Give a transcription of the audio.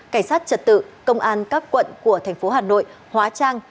cảnh sát trật tự công an các quận của thành phố hà nội hóa trang